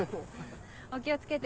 お気を付けて。